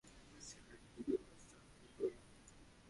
Oscillating পাওয়ারে স্থানান্তর করো।